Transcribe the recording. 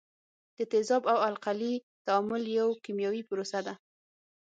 د تیزاب او القلي تعامل یو کیمیاوي پروسه ده.